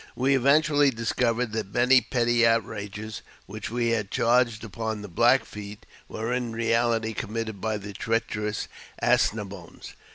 We eventually discovered that many petty outrages, which we had charged upon the Black Feet, were in reality committee by the treacherous As ne boines.